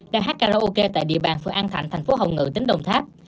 đang hát karaoke tại địa bàn phường an thạnh thành phố hồng ngự tỉnh đồng tháp